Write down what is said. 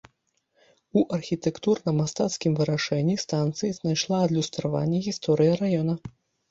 У архітэктурна-мастацкім вырашэнні станцыі знайшла адлюстраванне гісторыя раёна.